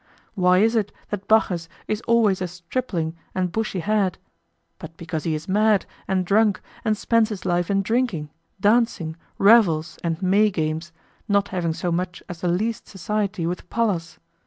Why is it that Bacchus is always a stripling, and bushy haired? but because he is mad, and drunk, and spends his life in drinking, dancing, revels, and May games, not having so much as the least society with Pallas.